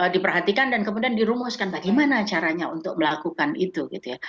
diperhatikan dan kemudian dirumuskan bagaimana caranya untuk melakukan itu